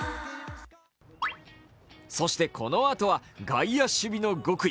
そしてこのあとは外野守備の極意。